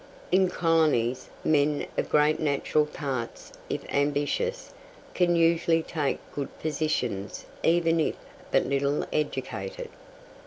In colonies men of great natural parts, if ambitious, can usually take good positions even if but little educated.